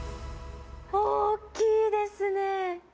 大きいですね。